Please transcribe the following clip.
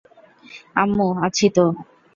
আম্মু আছি তো।